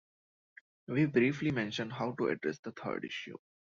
We briefly mention how to address the third issue.